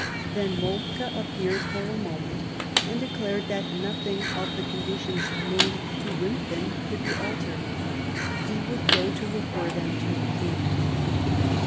Then Moltke appeared for a moment and declared that nothing of the con ditions named to Wimpffen could be altered ; he would go to refer them to the King.